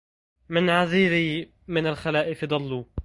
من عذيري من الخلائف ضلوا